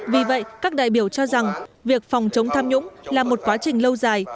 vì vậy các đại biểu cho rằng việc phòng chống tham nhũng là một quá trình lâu dài